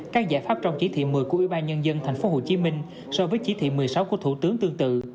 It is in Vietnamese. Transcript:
các giải pháp trong chí thị một mươi của ubnd tp hcm so với chí thị một mươi sáu của thủ tướng tương tự